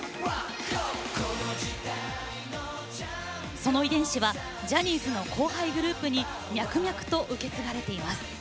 その遺伝子はジャニーズの後輩グループに脈々と受け継がれています。